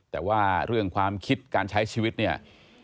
แต่ว่าเรื่องความคิดการใช้ชีวิตเนี่ย